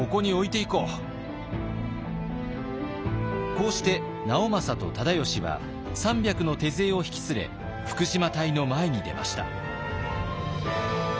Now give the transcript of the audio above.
こうして直政と忠吉は３００の手勢を引き連れ福島隊の前に出ました。